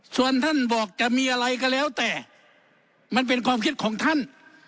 ส่วนท่านบอกจะมีอะไรก็แล้วแต่มันเป็นความคิดของท่าน